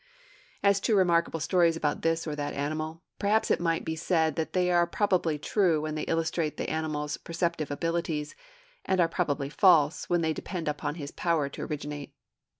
As to remarkable stories about this or that animal, perhaps it might be said that they are probably true when they illustrate the animal's perceptive abilities, and are probably false when they depend upon his power to originate.